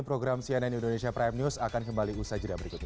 program cnn indonesia prime news akan kembali usai jeda berikut ini